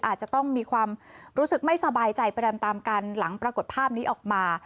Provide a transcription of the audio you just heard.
อาจจะต้องมีความรู้สึกไม่สบายใจไปตามกันหลังปรากฏภาพนี้ออกมา